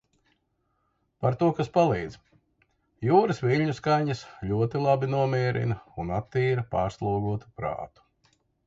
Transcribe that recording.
Par to, kas palīdz. Jūras viļņu skaņas ļoti labi nomierina un attīra pārslogotu prātu.